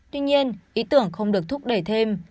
tuy nhiên ý tưởng không được thúc đẩy thêm